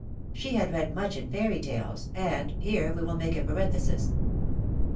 She had read much in fairy tales, and — here we will make a parenthesis.